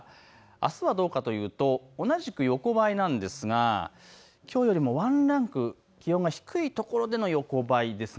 あすはどうかというと同じく横ばいなんですがきょうよりもワンランク気温が低い所での横ばいです。